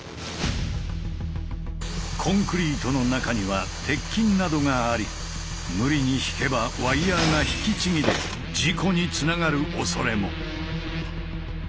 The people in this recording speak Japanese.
コンクリートの中には鉄筋などがあり無理に引けばワイヤーが引きちぎれ事故につながるおそれも。